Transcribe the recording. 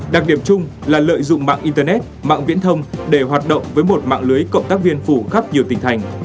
đặc điểm chung là lợi dụng mạng internet mạng viễn thông để hoạt động với một mạng lưới cộng tác viên phủ khắp nhiều tỉnh thành